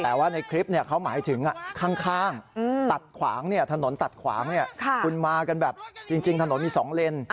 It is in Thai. แต่ว่าในคลิปเขาหมายถึงข้างตัดขวางถนนตัดขวางคุณมากันแบบจริงถนนมี๒เลน